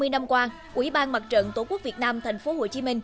hai mươi năm qua ủy ban mặt trận tổ quốc việt nam tp hcm